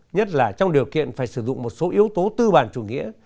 nhất là trong điều kiện phải sử dụng một số yếu tố tư bản chủ nghĩa